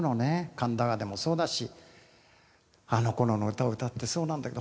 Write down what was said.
『神田川』でもそうだしあの頃の歌を歌ってそうなんだけど。